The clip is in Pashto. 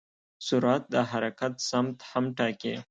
سرعت د حرکت سمت هم ټاکي.